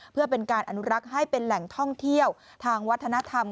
เพื่อเป็นการอนุรักษ์ให้เป็นแหล่งท่องเที่ยวทางวัฒนธรรม